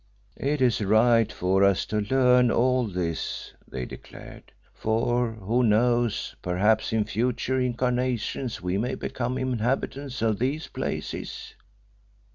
"It is right for us to learn all this," they declared, "for, who knows, perhaps in future incarnations we may become inhabitants of these places."